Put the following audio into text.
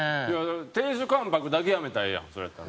亭主関白だけやめたらええやんそれやったら。